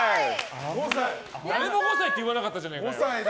誰も５歳って言わなかったじゃねえかよ。